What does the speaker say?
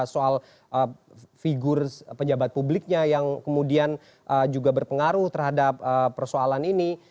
soal figur pejabat publiknya yang kemudian juga berpengaruh terhadap persoalan ini